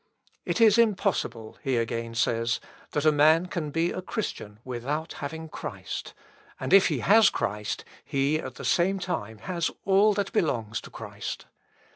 80. "It is impossible," he again says, "that a man can be a Christian without having Christ; and if he has Christ, he at the same time has all that belongs to Christ.